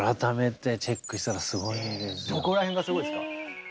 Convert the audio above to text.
どこらへんがすごいですか？